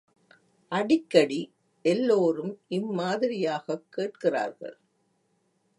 அடிக்கடி எல்லோரும் இம்மாதிரியாகக் கேட்கிறார்கள்.